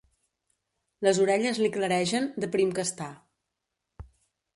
Les orelles li claregen, de prim que està.